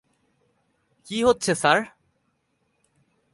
কী হচ্ছে স্যার?